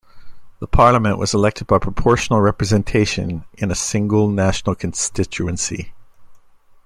The Parliament was elected by proportional representation in a single national constituency.